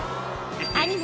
アニメ